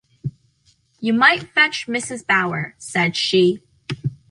“You might fetch Mrs. Bower,” said she.